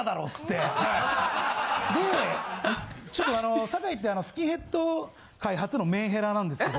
でちょっとあの坂井ってスキンヘッド界初のメンヘラなんですけど。